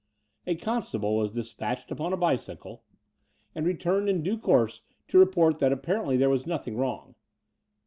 A constable was dispatched upon a bicycle, and The Brighton Road 15 returned in due course to report that apparently there was nothing wrong.